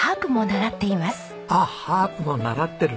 あっハープも習ってる。